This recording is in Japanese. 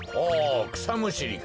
くさむしりか。